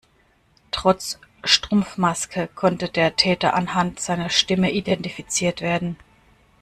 Trotz Strumpfmaske konnte der Täter anhand seiner Stimme identifiziert werden.